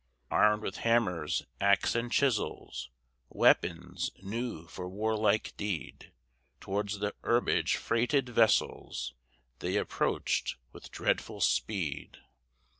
Armed with hammers, axe, and chisels, Weapons new for warlike deed, Towards the herbage freighted vessels, They approached with dreadful speed.